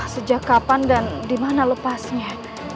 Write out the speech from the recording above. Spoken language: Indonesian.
sejak kapan dan di mana lepasnya